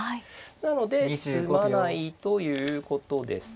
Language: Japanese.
なので詰まないということですね。